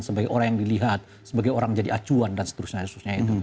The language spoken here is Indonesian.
sebagai orang yang dilihat sebagai orang menjadi acuan dan seterusnya seterusnya itu